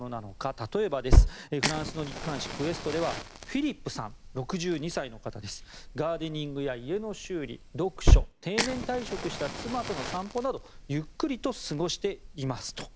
例えばです、フランスの日刊紙クエストではフィリップさん、６２歳の方ガーデニングや家の修理読書定年退職した妻との散歩などゆっくりと過ごしていますと。